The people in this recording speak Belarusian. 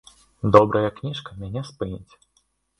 Добрая кніжка мяне спыніць.